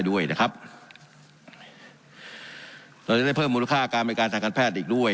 ด้วยนะครับเราจะได้เพิ่มมูลค่าการบริการทางการแพทย์อีกด้วย